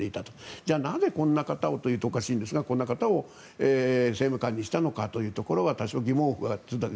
じゃあ、なぜこんな方をというとおかしいんですがこんな方を政務官にしたのかというところは多少、疑問符は。